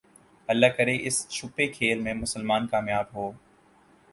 اللہ کرے اس چھپے کھیل میں مسلمان کامیاب ہو